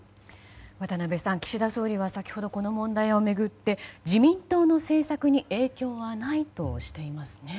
渡辺さん、岸田総理は先ほどこの問題をめぐって自民党の政策に影響はないとしていますね。